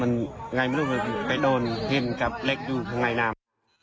มันอย่างไรไม่รู้เลยไปโดนเพียงกับเล็กดูกข้างในน้ำ